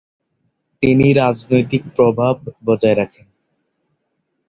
তিনি রাজনৈতিক প্রভাব বজায় রাখেন।